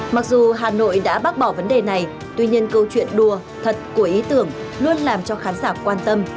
mặc dù hà nội đã bác bỏ vấn đề này tuy nhiên câu chuyện đùa thật của ý tưởng luôn làm cho khán giả quan tâm